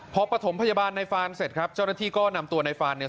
พอปฐมพยาบาลในฟานเสร็จครับเจ้าหน้าที่ก็นำตัวในฟานเนี่ย